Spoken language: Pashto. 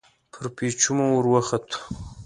پر پېچومو ور وختو.